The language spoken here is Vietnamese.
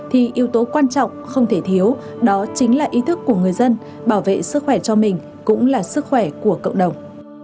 thì yếu tố quan trọng không thể thiếu đó chính là ý thức của người dân bảo vệ sức khỏe cho mình cũng là sức khỏe của cộng đồng